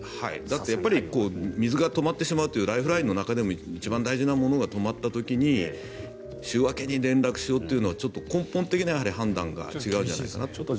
やっぱり水が止まってしまうというライフラインの中でも一番大事なものが止まった時に週明けに連絡しようっていうのは根本的な判断が違うんじゃないかなと。